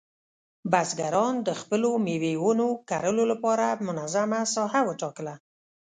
بزګران د خپلو مېوې ونو کرلو لپاره منظمه ساحه ټاکله.